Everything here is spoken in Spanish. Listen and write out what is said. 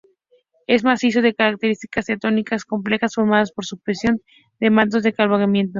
Es un macizo de características tectónicas complejas formado por superposición de mantos de cabalgamiento.